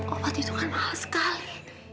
obat itu kan mahal sekali